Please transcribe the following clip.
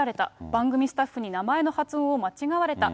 番組スタッフに名前の発音を間違われた。